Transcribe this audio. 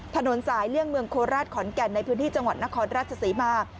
ถนนสายเลี่ยงเมืองโคราชขอนแก่นในพื้นที่จังหวัดนครราชศรีมา